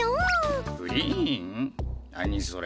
何それ？